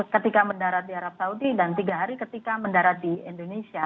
ketika mendarat di arab saudi dan tiga hari ketika mendarat di indonesia